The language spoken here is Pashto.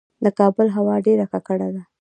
د کابل هوا ډیره ککړه ده